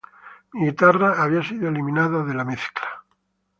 Mi guitarra había sido eliminada de la mezcla.